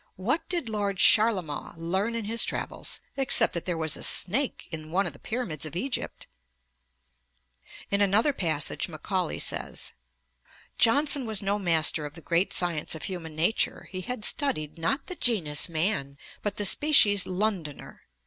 What did Lord Charlemont learn in his travels, except that there was a snake in one of the pyramids of Egypt?"' Macaulay's Essays, ed. 1843, i. 403. In another passage (p. 400) Macaulay says: 'Johnson was no master of the great science of human nature. He had studied, not the genus man, but the species Londoner.